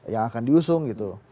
yang akan diusung gitu